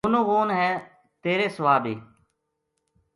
غونو غون ہے تیرے سوا بی